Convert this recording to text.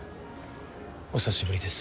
お久しぶりです。